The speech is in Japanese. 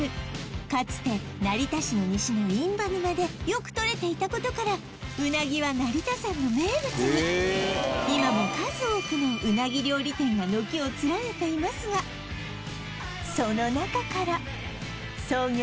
かつて成田市の西の印旛沼でよくとれていたことからうなぎは成田山の名物に今も数多くのうなぎ料理店が軒を連ねていますがその中から創業